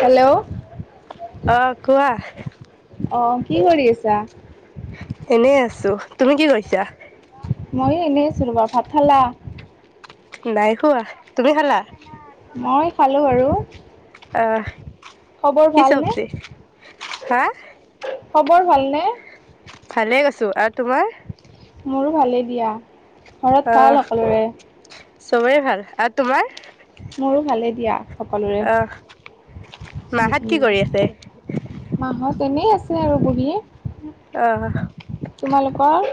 Hello অ কোৱা। অ কি কৰি আছা? এনেই আছোঁ। তুমি কি কৰিছা? মইয়ো এনেই আছো তোমাৰ ভাত খালা। নাই খোৱা তুমি খালা। মই খালোঁ আৰু। আহ খবৰ কি ভালনে চব্জি হা। খবৰ ভালনে? ভালে কৈছো আৰু তোমাৰ। মোৰ ভাল দিয়া ঘৰত ভাল সকলোৰে। চবেই ভাল আৰু তোমাৰ। মোৰো ভালে দিয়া। সকলোৰে আহ মাহাত কি কৰি আছে মাহত। এনেই আছে আৰু বহি আহ তোমালোকৰ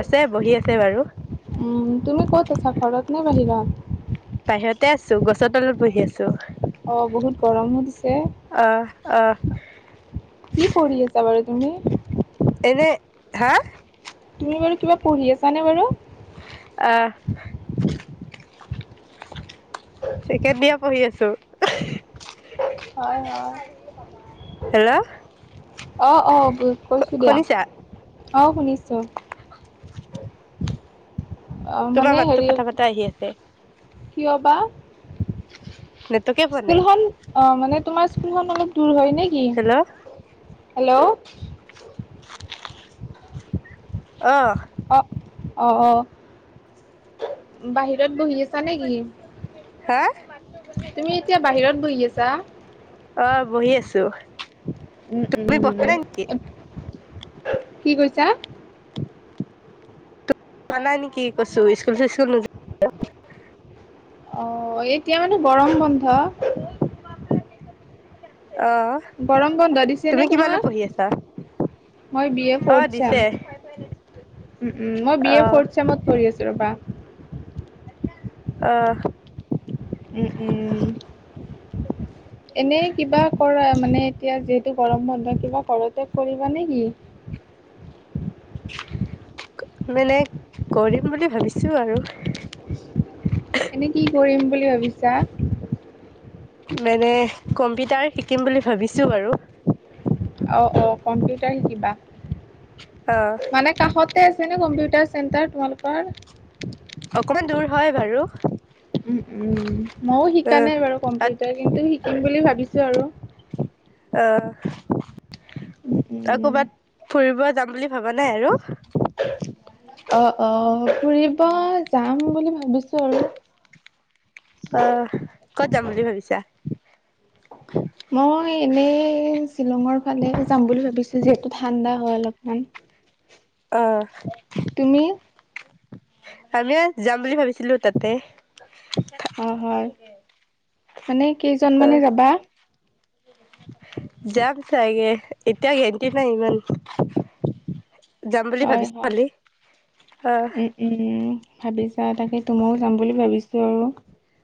আছে বহি আছে বাৰু। উম তুমি ক'ত আছা খৰত নে বাহিৰত। সিহঁতে আছো গছৰ তলত বহি আছোঁ। অ বহুত গৰমো দিছে। আহ আহ। কি পঢ়ি আছা বাৰু তুমি। এনে হা। তুমি বাৰু কিবা পঢ়ি আছা নে বাৰু? আহ। ছেকেণ্ডডিয়েৰ পঢ়ি আছোঁ। হয়, হয়। হেল্ল' অ-অ। কৈছোঁ দিয়া, শুনিছা অঁ শুনিছোঁ। আহ তোমাৰ মানে মাতটো হেৰি ফাটা ফাটা আহি আছে কিয় বা? নেটৱৰ্কে পোৱা নাই স্কুলখন অ মানে তোমাৰ স্কুলখন অলপ দূৰ হয় নে কি? হেল্ল' হেল্ল' অ। অ, অ, অ। বাহিৰত বহি আছা নে কি? হা? বহি আছা? অ, বহি আছোঁ। উম, উম। উ কি কৈছা? পানা নেকি কৈছো স্কুল চিস্কুল নো অ, এতিয়া মানে গৰম বন্ধ। [unintelligible] গৰম বন্ধ দিছে তুমি নে কিমানত তোমাৰ? পঢ়ি আছা মই বি এ অ ফৰ্ট চেম। দিছে উম, উম। মই অ বি এ ফৰ্ট চেমত পঢ়ি আছো ৰবা। অহ। উম উম এনেই কিবা কৰা মানে এতিয়া যে গৰম বন্ধ কিবা ঘৰতে কৰিবা নে কি? মানে কৰিম বুলি ভাবিছোঁ আৰু। এনেই কি কৰিম বুলি ভাবিছা? মানে কম্পিউটাৰ শিকিম বুলি ভাবিছোঁ বাৰু। অ, অহ। কম্পিউটাৰ শিকিবা। অ মানে কাষতে আছে নে কম্পিউটাৰ চেণ্টাৰ তোমালোকৰ? অকমান দূৰ হয় বাৰু। উম উম। মইও অ শিকা নাই বাৰু তাত কম্পিউটাৰ কিন্তু শিকিম বুলি ভাবিছো আৰু। উম আ উম কবাত ফুৰিব যাম বুলি ভবা নাই আৰু? উ। অ-অ ফুৰিব যাম বুলি ভাবিছো আৰু। অ, ক'ত যাম বুলি ভাবিছা? [inaudible] মই এনেই শ্বিলঙৰ ফালে যাম বুলি ভাবিছো। যিহেতু ঠাণ্ডা হয় অলপমান। অহ। তুমি আমিও যাম বুলি ভাবিছিলো তাতে। অ, হয়। মানে কেইজন অ মানে যাবা? যাম চাগে এতিয়া গেণ্টি নাই ইমান। যাম বুলি হয় ভাবিছো হয় কালি, অহ। উম উম ভাবিছা তাকেটো। মইও যাম বুলি ভাবিছো আৰু।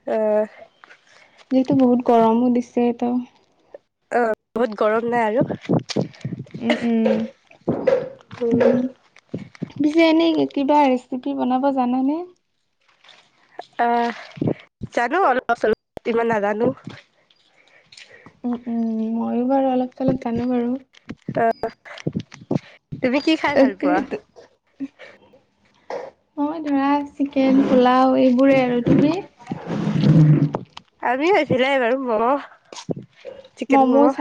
অঁ। যিহেতু বহুত গৰমো দিছে এত। ব-বহুত গৰম নাই আৰু। উম, উম। উ উম পিছে এনেই কিবা ৰেচিপি বনাব জানেনে? আহ জানো অলপ চলপ, ইমান নাজানো। উম, উম। মইও বাৰু অলপ চলপ জানো বাৰু। তুমি কি খাই ভাল পোৱা তাকেইটো। মই ধৰা চিকেন, পোলাও এইবোৰেই আৰু তুমি? আমিও হৈছিলে বাৰু ম'ম', চিকেন ম'ম' অঁ।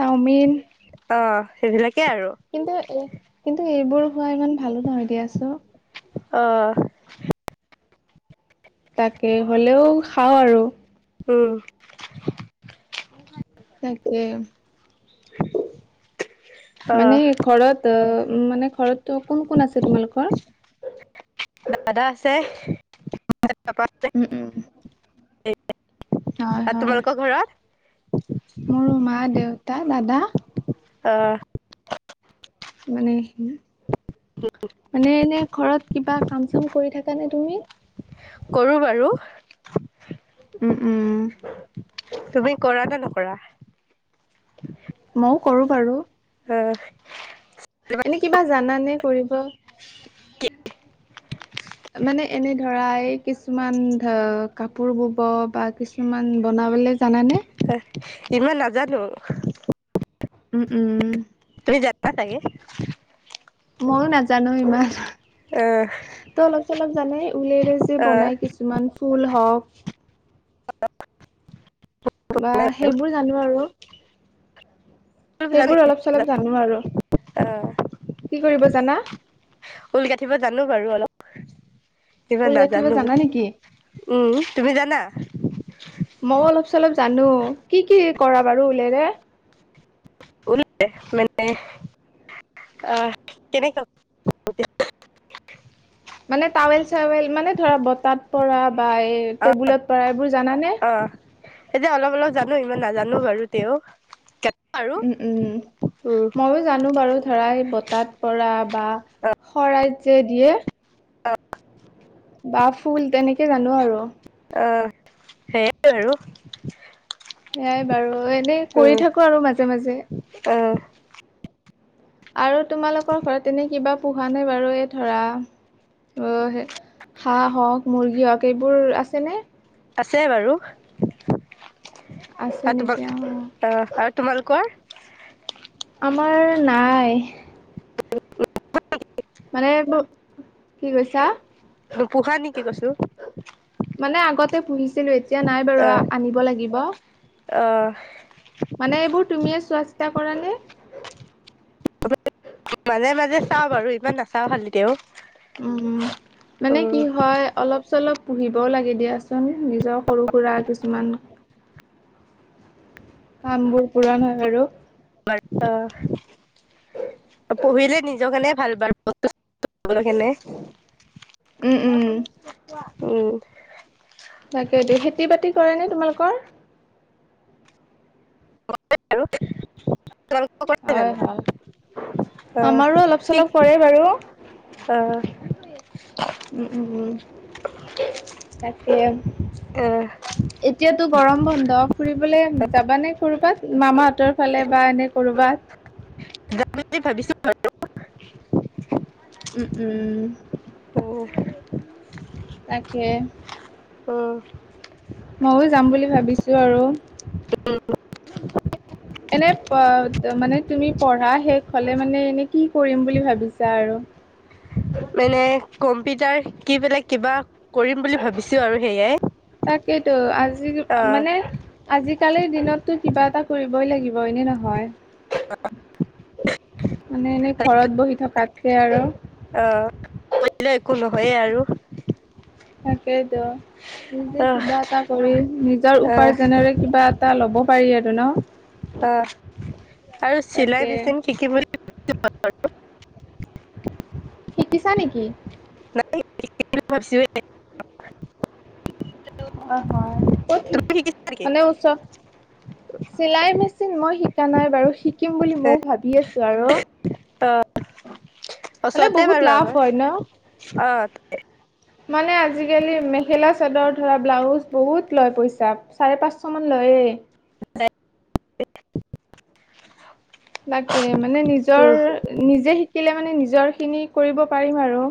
কিন্তু এ কিন্তু এইবোৰ খোৱা ইমান ভালো নহয় দিয়াচোন। আহ। তাকে হ'লেও খাওঁ আৰু। উম। তাকে অ মানে ঘৰত অঁ। উ মানে ঘৰতটো কোন কোন আছে তোমালোকৰ? দাদা আছে, পাপা আছে। উম, উম, আৰু তোমালোকৰ ঘৰত? মোৰ মা, দেউতা, দাদা। আহ। মানে- মানে এনে ঘৰত কিবা কাম চাম কৰি থাক নে তুমি? কৰো বাৰু। উম উম। তুমি নে কৰা। মইও কৰো বাৰু। আহ। এনে কিবা জান নে কৰিব? [unintelligible] মানে এনে ধৰাই কিছুমান ধ কাপোৰ বব বা কিছুমান বনাবলে- জানানে? ইমান নাজানো। উম উম উম। যানা চাগে। মইয়ো নাজানো ইমান। আহ ত অলপ চলপ জানে উলেৰে যে বনাই কিছুমান ফুল হওক স বা সেইবোৰ জানো আৰু সেইবোৰ অলপ চলপ জানো আৰু অঁ কি কৰিব জানা? ঊল গাঠিব জানো বাৰু অলপ চলপ কিব ঊল গাঁঠিব নাজানো জানা নেকি? উ তুমি জানা মই অলপ চলপ জানো কি কি কৰা বাৰু ঊলেৰে উল মানে আহ কেনেকা মানে টাৱেল চাৱেল মানে ধৰা বতাত পৰা বা এই অ', টেবুলত পৰা এইবোৰ জানানে অ', এতিয়া অলপ অলপ জানো ইমান নাজানো বাৰু তেওঁ উম উম মইয়ো জানো বাৰু ধৰা বতাত পৰা বা শৰাই যে দিয়ে বা ফুল তেনেকে জানো আৰু অ সেইয় আৰু সেয়াই বাৰু এনে কৰি থাকো আৰু মাজে মাজে [inaudible] আৰু তোমালোকৰ ঘৰত এনে কিবা পোহা নাই বাৰু এই ধৰা আহ হাঁ হওক মুৰ্গী হওক এইবোৰ আছেনে আছে বাৰু আছে আৰু তোমাল নেকি অ আৰু তোমালোকৰ আমাৰ নাই মানে কি কৈছা তই পোহা নেকি কৈছো মানে আগতে পুহিছিলো এতিয়া নাই বাৰু আনিব লাগিব অঁ মানে এইবোৰ তুমিয়ে চোৱা চিতা কৰা নে মাজে মাজে চাওঁ বাৰু ইমান নাচাও খালি তেওঁও উম মানে কি হয় অলপ চলপ পুহিবও লাগে দিয়াচোন নিজক সৰু সুৰা কিছুমান কাম বোৰ পূৰণ হয় বাৰু বাৰতা পুহিলে নিজৰ কাৰনে ভাল বাৰু কেনে উম উম উম তাকেইতো খেতি বাতি কৰে নে তোমালোকৰ আৰু হয় হয় আমাৰো অলপ [unintelligible] চলপ কৰে বাৰু অ উম উম উম তাকে অ', এতিয়াতো গৰম বন্ধ ফুৰিবলে যাবানে কৰবাত মামাহঁতৰ ফালে বা এনে কৰবাত যাম বুলি ভাবিছো বাৰু উম উম উম, তাকে অ মইয়ো যাম বুলি ভাবিছো আৰু এনে মানে তুমি পঢ়া শেষ হলে মানে এনে কি কৰিম বুলি ভাবিছা আৰু মানে কম্পিউটাৰ কি বেলাক কিবা কৰিম বুলি ভাবিছো আৰু সেয়ে তাকেইটো আজি অ', মানে আজিকালিৰ দিনতটো কিবা এটা কৰিব ব হয়নে নহয় মানে এনেই ঘৰত বহি থকাতকে আৰু- কৰিলে একো নহয়েই আৰু। তাকেইটো নিজে অ', কিবা এটা কৰি নিজৰ অ', উপাৰ্জনেৰে কিবা এটা লব- পাৰি আৰু ন অ আৰু চিলাই তাকে বিচিন শিকিবলে- [unintelligible] শিকিছা নেকি। [unintelligible] অ হয় কত তুমি শিকিছা নেকি? মানে ওচৰ- চিলাই মেচিন মই শিকা নাই বাৰু শিকিম বুলি ময়ো ভাবি আছোঁ আৰু। মানে ওচতে বহুত বাৰু লাভ হয় ন? আমাৰ অ। মানে আজিকালি মেখেলা চাদৰ ধৰা ব্লাউজ বহুত লয় পইচা চাৰে পাঁচশ মান লয়েই। [unintelligible] তাকে মানে নিজৰ উম, নিজে শি- শিকিলে মানে নিজৰখিনি কৰিব পাৰিম আৰু।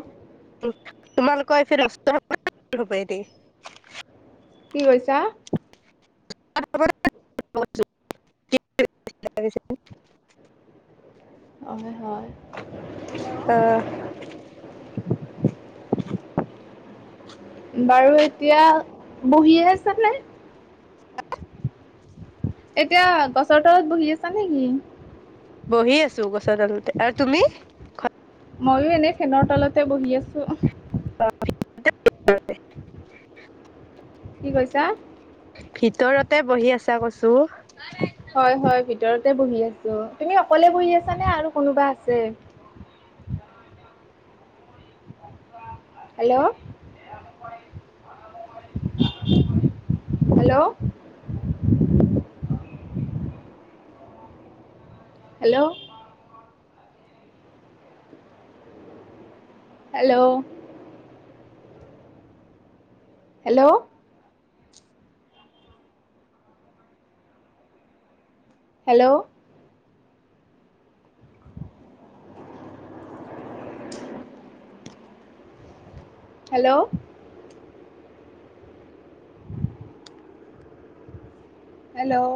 তোমালোকৰ এইফিস হব পায়ি থি। কি কৰিছা? [unintelligible] [unintelligible] হয় হয়। অহ। [unintelligible] বাৰু এতিয়া বহিয়ে আছা নে? এতিয়া গছৰ তলত বহি আছা নেকি। বহি আছো গছৰ তালতে আৰু তুমি? মইও এনেই ফেনৰ তলতে বহি আছো। [unintelligible] কি কৈছা? ভিতৰতে বহি আছা কছো। হয় হয় ভিতৰতে বহি আছো তুমি অকলে বহি আছানে আৰু কোনোবা আছে। [inaudible] Hello. Hello [inaudible] hello. Hello. Hello. Hello. Hello. Hello.